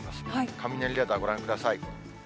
雷レーダーご覧ください。